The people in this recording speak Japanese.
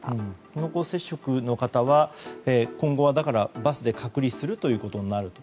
濃厚接触の方は今後はバスで隔離するということになると。